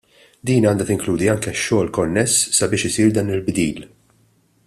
Din għandha tinkludi anke x-xogħol konness sabiex isir dan il-bdil.